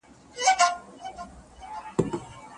آیا مجازي زده کړه د مخامخ درسونو په شان عملي کار لري؟